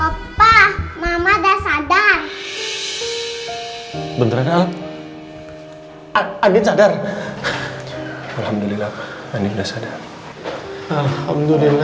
apa mama dah sadar bentra dalam angin sadar alhamdulillah anjing dah sadar alhamdulillah